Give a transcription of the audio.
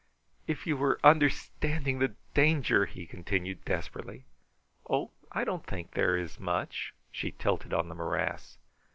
"If you were understanding the danger!" he continued desperately. "Oh, I don't think there is much!" She tilted on the morass.